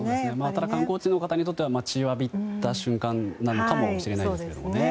ただ観光地の方にとっては待ちわびた瞬間かもしれませんけどね。